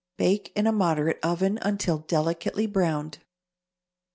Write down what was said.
Bake in a moderate oven until delicately browned.